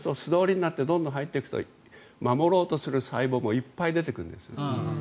素通りになってどんどん入ってくると守ろうという細胞もいっぱい出てくるんです。